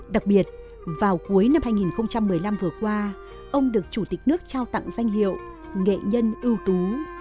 đặc biệt vào cuối năm hai nghìn một mươi năm vừa qua ông được chủ tịch nước trao tặng danh hiệu nghệ nhân ưu tú